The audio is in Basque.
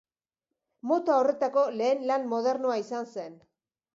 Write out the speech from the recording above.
Mota horretako lehen lan modernoa izan zen.